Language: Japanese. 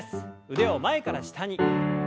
腕を前から下に。